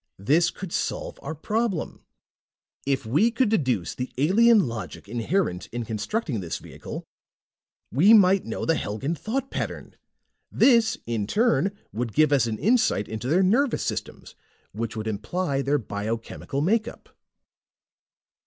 "This could solve our problem. If we could deduce the alien logic inherent in constructing this vehicle, we might know the Helgan thought pattern. This, in turn, would give us an insight into their nervous systems, which would imply their biochemical makeup."